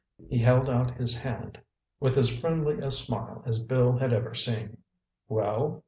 He held out his hand with as friendly a smile as Bill had ever seen. "Well?"